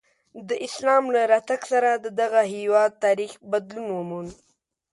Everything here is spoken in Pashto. د اسلام له راتګ سره د دغه هېواد تاریخ بدلون وموند.